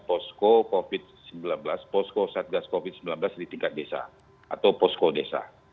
posko covid sembilan belas posko satgas covid sembilan belas di tingkat desa atau posko desa